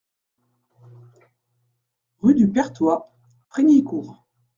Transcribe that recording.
Rue du Perthois, Frignicourt